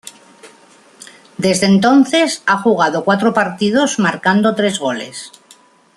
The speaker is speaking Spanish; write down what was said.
Desde entonces, ha jugado cuatro partidos marcando tres goles.